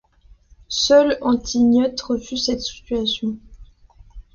Seule Antigone refuse cette situation.